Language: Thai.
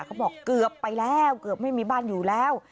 เขาบอกเกือบไปแล้วเกือบไม่มีบ้านอยู่แล้ว